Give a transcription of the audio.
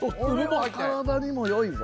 体にもよいぞ。